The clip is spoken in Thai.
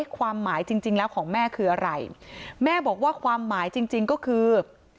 ความหมายจริงแล้วของแม่คืออะไรแม่บอกว่าความหมายจริงก็คือ